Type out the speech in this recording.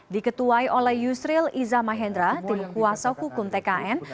diketuai oleh yusril iza mahendra tim kuasa hukum tkn